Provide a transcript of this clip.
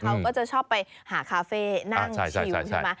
เขาก็จะชอบไปหาคาเฟ่นั่งชิวใช่ไหม